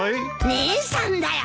姉さんだよ。